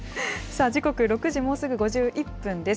時刻６時もうすぐ５１分です。